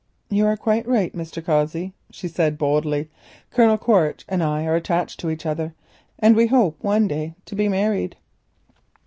"You are quite right, Mr. Cossey," she said boldly. "Colonel Quaritch and I are attached to each other, and we hope one day to be married."